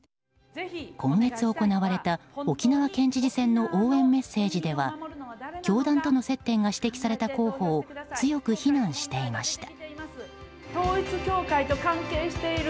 今月行われた沖縄県知事選の応援メッセージでは教団との接点が指摘された候補を強く非難していました。